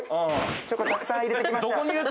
チョコたくさん入れてきました。